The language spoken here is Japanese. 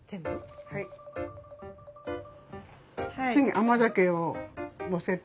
次甘酒をのせて。